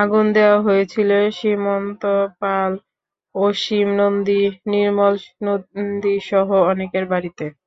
আগুন দেওয়া হয়েছিল শ্রীমন্ত পাল, অসীম নন্দী, নির্মল নন্দীসহ অনেকের বাড়িতে।